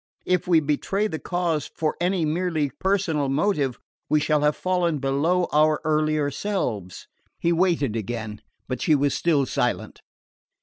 If we betray the cause from any merely personal motive we shall have fallen below our earlier selves." He waited again, but she was still silent.